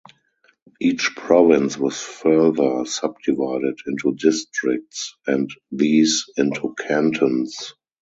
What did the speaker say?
Each province was further subdivided into districts, and these into cantons.